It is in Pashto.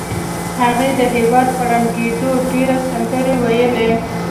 هغې د هېواد په ړنګېدو ډېرې سندرې وویلې